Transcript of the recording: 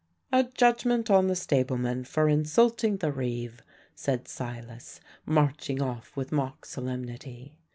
"A judgment on the stableman for insulting the reeve," said Silas, marching off with mock solemnity.